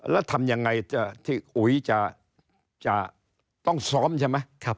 แล้วทำยังไงที่อุ๋ยจะต้องซ้อมใช่ไหม